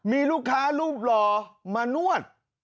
มีลูกค้ารูปหล่อมานวด